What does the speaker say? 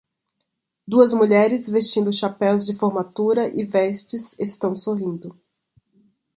Duas mulheres vestindo chapéus de formatura e vestes estão sorrindo.